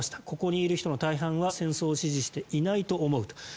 ここにいる人の大半は戦争を支持してないと思うと。